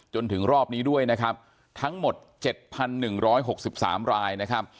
จนถึงรอบนี้ด้วยทั้งหมด๗๑๖๓ราย